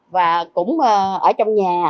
và cũng ở trong nhà